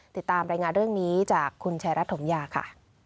ติดตามรายงานเรื่องนี้จากคุณชายรัฐถมยาค่ะ